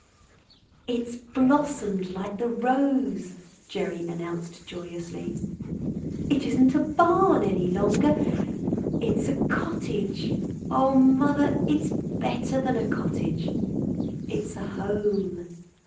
"It's blossomed like the rose!" Gerry announced joyously. "It isn't a barn any longer; it's a cottage. Oh, mother, it's better than a cottage; it's a home."